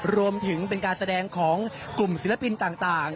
รวมถึงเป็นการแสดงของกลุ่มศิลปินต่าง